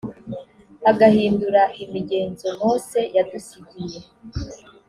agahindura imigenzo mose yadusigiye